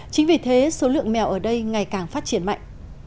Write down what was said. chính vì thế số lượng mèo ở đây ngày càng phát triển mạnh